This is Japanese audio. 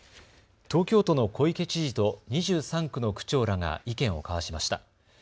東京都の小池知事と２３区の区長らが意見を交わしました。